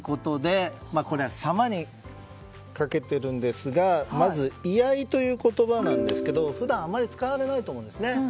「様」にかけているんですが畏愛という言葉ですが普段あまり使われないと思うんですね。